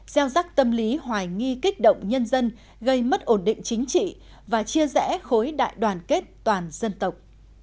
gieo rắc tâm lý hoài nghi kích động nhân dân gây mất ổn định chính trị và chia rẽ khối đại đoàn kết toàn dân tộc